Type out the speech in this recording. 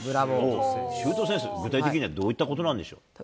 具体的にはどういったことなんでしょうか。